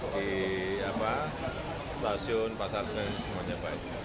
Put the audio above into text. di stasiun pasar senen semuanya baik